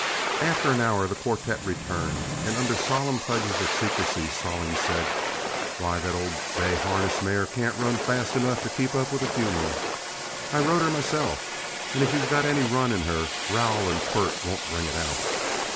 After an hour, the quartette returned, and under solemn pledges of secrecy Stallings said, "Why, that old bay harness mare can't run fast enough to keep up with a funeral. I rode her myself, and if she's got any run in her, rowel and quirt won't bring it out.